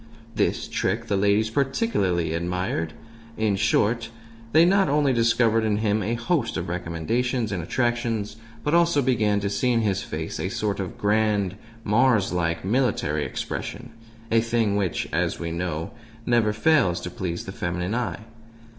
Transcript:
This trick the ladies particularly admired. In short, they not only discovered in him a host of recommendations and attractions, but also began to see in his face a sort of grand, Mars like, military expression a thing which, as we know, never fails to please the feminine eye.